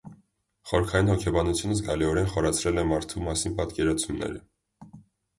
Խորքային հոգեբանությունը զգալիորեն խորացրել է մարդու մասին պատկերացումները։